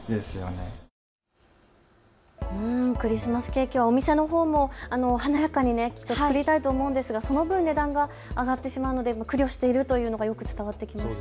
ケーキはお店のほうも華やかにきっと作りたいと思うんですけれどもその分、値段が上がってしまって苦慮しているのがよく伝わってきます。